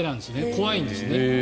怖いんですね。